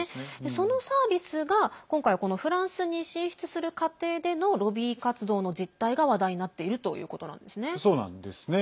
そのサービスが今回はフランスに進出する過程でのロビー活動の実態が話題になっているということなんですね。